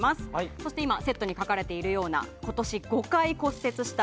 そして今セットに書かれているような今年５回骨折した。